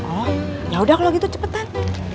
oh ya udah kalau gitu cepetan